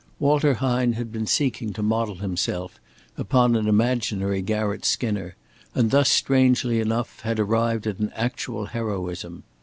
Walter Hine had been seeking to model himself upon an imaginary Garratt Skinner, and thus, strangely enough, had arrived at an actual heroism.